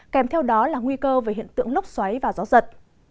kèm theo đó là nguy cơ về hiện tượng lốc xoáy và gió giật